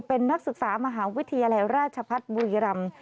เป็นนักศึกษามหาวิทยาลัยราชพัฒน์บุรีรำ